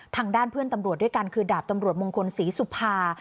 ทางด้านเพื่อนตำรวจด้วยกันคือดาบตำรวจมงคลศรีสุภา